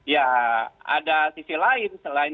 ya ada sisi lain